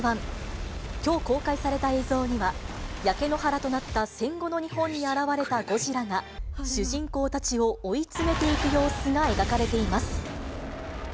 きょう公開された映像には、焼け野原となった戦後の日本に現れたゴジラが、主人公たちを追い詰めていく様子が描かれています。